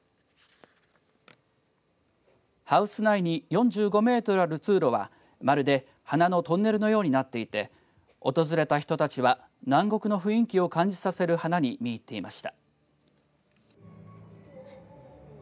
ハウス内に４５メートルある通路はまるで花のトンネルのようになっていて訪れた人たちは南国の雰囲気を感じさせる花に見入っていました。